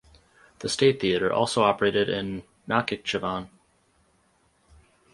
The State Theater also operated in Nakhichevan.